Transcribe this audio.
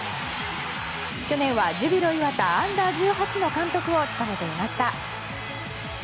去年はジュビロ磐田Ｕ‐１８の監督を務めていました。